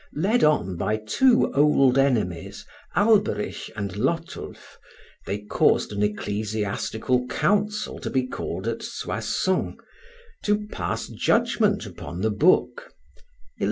Led on by two old enemies, Alberich and Lotulf, they caused an ecclesiastical council to be called at Soissons, to pass judgment upon the book (1121).